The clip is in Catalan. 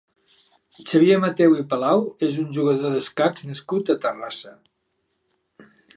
Xavier Mateu i Palau és un jugador d'escacs nascut a Terrassa.